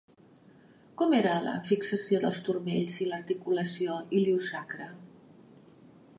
Com era la fixació dels turmells i l'articulació iliosacra?